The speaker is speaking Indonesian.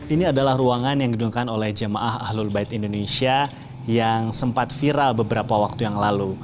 ini adalah ruangan yang didungkan oleh jemaah ahlul bait indonesia yang sempat viral beberapa waktu yang lalu